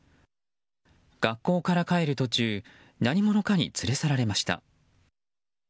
学校から帰る途中何者かに連れ去られました。